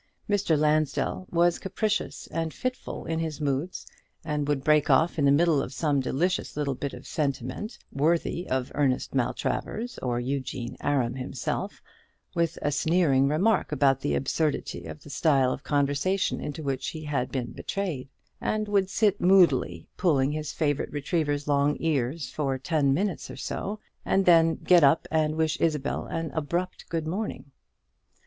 Mr. Lansdell was capricious and fitful in his moods, and would break off in the middle of some delicious little bit of sentiment, worthy of Ernest Maltravers or Eugene Aram himself, with a sneering remark about the absurdity of the style of conversation into which he had been betrayed; and would sit moodily pulling his favourite retriever's long ears for ten minutes or so, and then get up and wish Isabel an abrupt good morning.